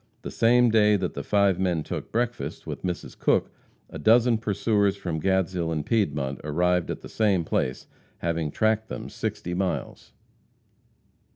The same day that the five men took breakfast with Mrs. Cook, a dozen pursuers from Gadshill and Piedmont arrived at the same place, having tracked them sixty miles.